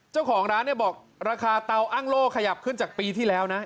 เจ้าของร้านเนี่ยบอกราคาเตาอ้างโล่ขยับขึ้นจากปีที่แล้วนะ